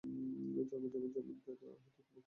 জন্মে জন্মে তোমাতে যেন আমার অহৈতুকী ভক্তি থাকে।